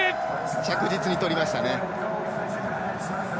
着実に取りました。